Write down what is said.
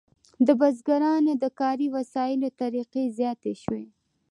د بزګرانو د کاري وسایلو طریقې زیاتې شوې.